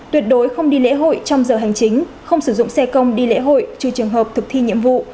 tuyệt đối không đi lễ hội trong giờ hành chính không sử dụng xe công đi lễ hội trừ trường hợp thực thi nhiệm vụ